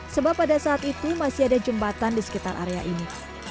sebab pada saat itu masih ada jembatan di sekitar area ini